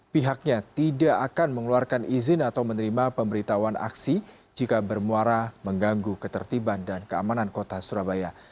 pihaknya tidak akan mengeluarkan izin atau menerima pemberitahuan aksi jika bermuara mengganggu ketertiban dan keamanan kota surabaya